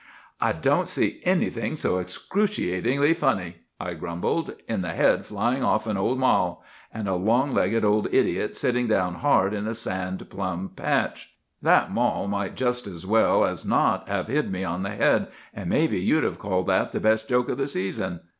"'I don't see anything so excruciatingly funny,' I grumbled, 'in the head flying off of an old mall, and a long legged old idiot sitting down hard in the sand plum patch. That mall might just as well as not have hit me on the head, and maybe you'd have called that the best joke of the season.